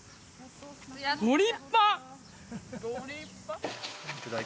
ご立派！